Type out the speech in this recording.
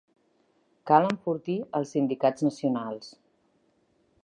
Cal enfortir els sindicats nacionals.